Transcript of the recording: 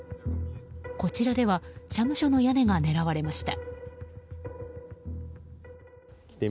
こちらでは社務所の屋根が狙われました。